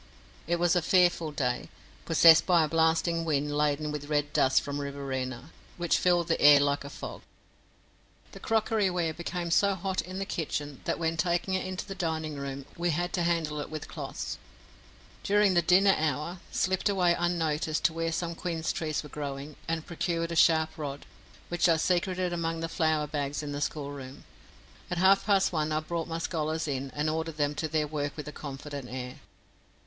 It was a fearful day, possessed by a blasting wind laden with red dust from Riverina, which filled the air like a fog. The crockery ware became so hot in the kitchen that when taking it into the dining room we had to handle it with cloths. During the dinner hour I slipped away unnoticed to where some quince trees were growing and procured a sharp rod, which I secreted among the flour bags in the schoolroom. At half past one I brought my scholars in and ordered them to their work with a confident air.